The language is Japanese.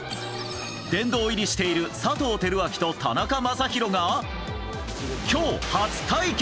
殿堂入りしている佐藤輝明と田中将大が今日、初対決。